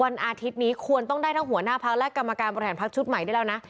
อาทิตย์นี้ควรต้องได้ทั้งหัวหน้าพักและกรรมการบริหารพักชุดใหม่ได้แล้วนะ